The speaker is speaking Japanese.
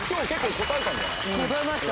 答えました。